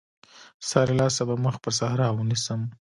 ستا له لاسه به مخ پر صحرا ونيسم.